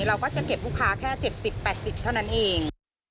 เราก็จะเก็บลูกค้าแค่เจ็ดสิบแปดสิบเท่านั้นเอง